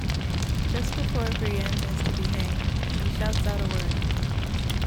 Just before Brienne is to be hanged, she shouts out a word.